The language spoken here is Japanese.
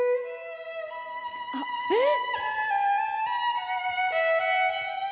あっえっ？